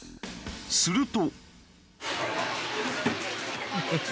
すると。